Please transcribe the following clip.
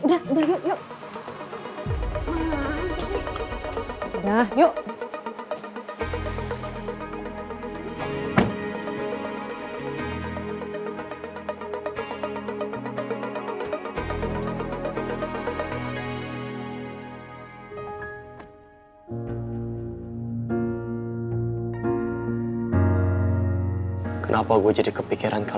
udah udah yuk yuk